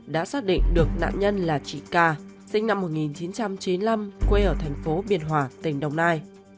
nạn nhân là chị ca sinh năm một nghìn chín trăm chín mươi năm quê ở thành phố biên hòa tỉnh đồng nai